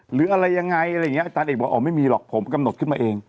หรืออะไรยังไงอะไรอย่างนี้อาจารย์เอกบอกอ๋อไม่มีหรอกผมกำหนดขึ้นมาเอง